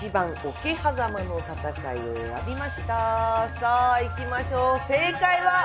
さあいきましょう正解は。